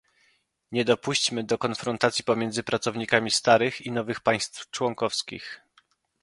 nie dopuśćmy do konfrontacji pomiędzy pracownikami starych i nowych państw członkowskich